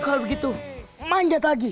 kalau begitu manjat lagi